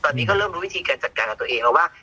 ตอนนี้ก็เริ่มรู้วิธีการจัดการกับตัวเองแล้วว่า